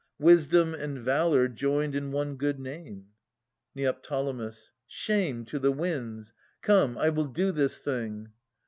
Wisdom and valour joined in one good name. Neo. Shame, to the winds ! Come, I will do this thing.